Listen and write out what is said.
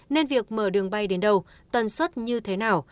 nên việc mở đường bay đến đâu tần suất như thế nào